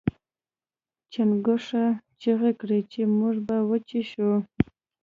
چنګښو چیغې کړې چې موږ به وچې شو.